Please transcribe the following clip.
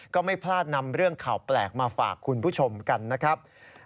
ก็ไม่พลาดนำเรื่องข่าวแปลกมาฝากคุณผู้ชมกันนะครับ